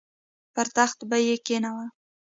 پر تخت به یې کښېنوم.